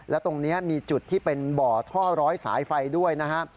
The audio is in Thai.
และตรงนี้มีจุดที่เป็นบ่อท่อร้อยสายไฟด้วยนะครับ